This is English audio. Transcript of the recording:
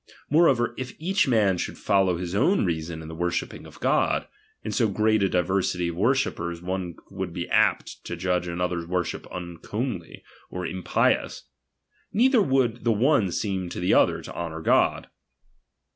Moreover, if each man should follow his own reason in the wornhipping of God, in so great a diversity of worshippers one would be apt to judge another's worship uncomely, or impious ; neither would the one seem to the other to honour God.